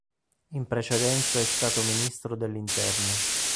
In precedenza è stato ministro dell'interno.